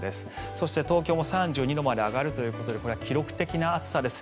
そして、東京も３２度まで上がるということでこれは記録的な暑さです。